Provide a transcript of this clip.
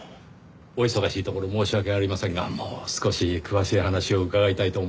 お忙しいところ申し訳ありませんがもう少し詳しい話を伺いたいと思いましてね。